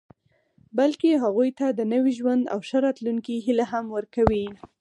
بلکې هغوی ته د نوي ژوند او ښه راتلونکي هیله هم ورکوي